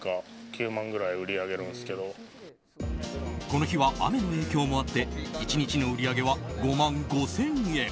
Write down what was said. この日は雨の影響もあって１日の売り上げは５万５０００円。